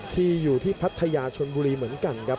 ที่อยู่ที่พัทยาชนบุรีเหมือนกันครับ